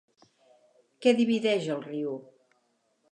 Què divideix el riu?